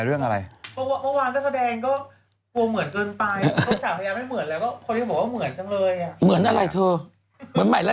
เดี๋ยวมีคนโทขหาอีก